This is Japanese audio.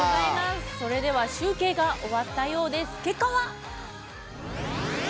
それでは集計が終わったようです。